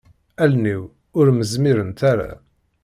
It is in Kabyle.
Allen-iw ur m-zmirent ara.